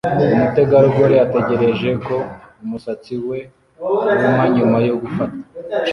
Umutegarugori ategereje ko umusatsi we wuma nyuma yo gufata